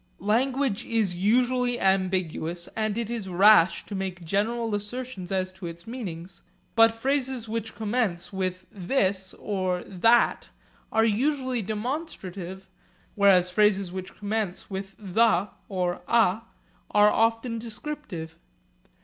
Language is usually ambiguous and it is rash to make general assertions as to its meanings. But phrases which commence with 'this' or 'that' are usually demonstrative, whereas phrases which commence with 'the' or 'a' are often descriptive.